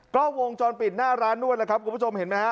กล้องวงจรปิดหน้าร้านนวดล่ะครับกลุ่มผู้ชมเห็นไหมฮะ